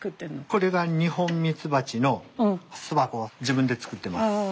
これがニホンミツバチの巣箱を自分で作ってます。